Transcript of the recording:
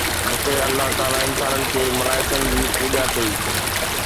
هتي الله تعاليٰ انسانن کي ملائڪن جي پوڄا ڪئي